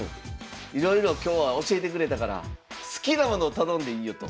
いろいろ今日は教えてくれたから好きなものを頼んでいいよ」と。